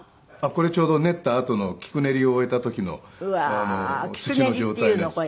これちょうど練ったあとの菊練りを終えた時の土の状態です。